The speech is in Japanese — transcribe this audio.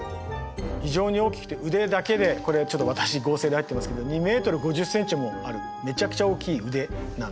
非常に大きくて腕だけでこれちょっと私合成で入ってますけど２ｍ５０ｃｍもあるめちゃくちゃ大きい腕なんですね。